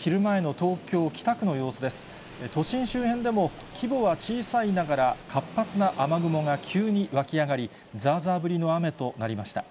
都心周辺でも、規模は小さいながら、活発な雨雲が急に湧き上がり、ざーざー降りの雨となりました。